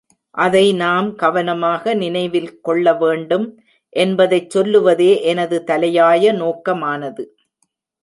அதை நாம் கவனமாக நினைவில் கொள்ளவேண்டும் என்பதைச் சொல்லுவதே எனது தலையாய நோக்கமானது.